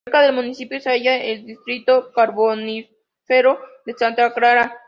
Cerca del municipio se haya el distrito carbonífero de "Santa Clara".